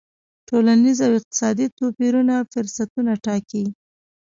ټولنیز او اقتصادي توپیرونه فرصتونه ټاکي.